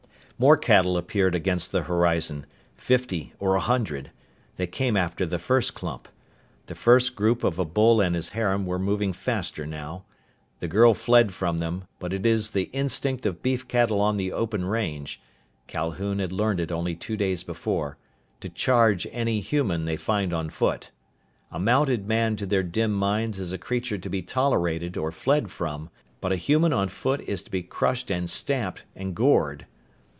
More cattle appeared against the horizon. Fifty or a hundred. They came after the first clump. The first group of a bull and his harem were moving faster, now. The girl fled from them, but it is the instinct of beef cattle on the open range Calhoun had learned it only two days before to charge any human they find on foot. A mounted man to their dim minds is a creature to be tolerated or fled from, but a human on foot is to be crushed and stamped and gored.